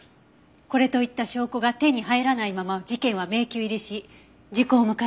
これといった証拠が手に入らないまま事件は迷宮入りし時効を迎えたそうよ。